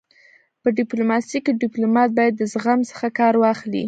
په ډيپلوماسی کي ډيپلومات باید د زغم څخه کار واخلي.